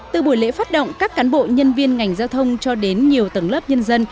từ buổi lễ phát động các cán bộ nhân viên ngành giao thông cho đến nhiều tầng lớp nhân dân